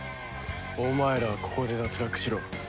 お前らはここで脱落しろ。